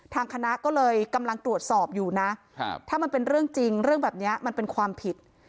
ทางคณะก็เลยกำลังตรวจสอบอยู่นะถ้ามันเป็นเรื่องจริงเรื่องแบบนี้มันเป็นความผิด